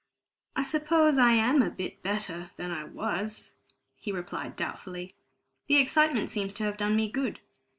"I suppose I am a bit better than I was," he replied doubtfully. "The excitement seems to have done me good.